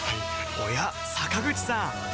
おや坂口さん